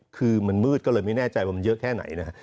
คือมันมืดก็เลยไม่แน่ใจว่ามันเยอะแค่ไหนนะฮะ